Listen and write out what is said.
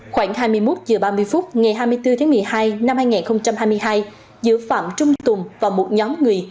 khoảng hai mươi một h ba mươi phút ngày hai mươi bốn tháng một mươi hai năm hai nghìn hai mươi hai giữa phạm trung tùng và một nhóm người